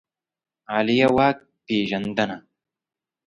عالیه واک پېژندنه